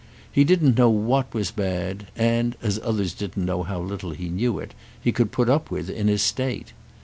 He didn't know what was bad, and—as others didn't know how little he knew it—he could put up with his state.